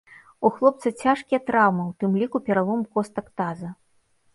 У хлопца цяжкія траўмы, у тым ліку пералом костак таза.